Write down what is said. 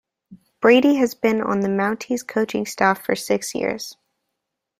Brady has been on the Mounties coaching staff for six years.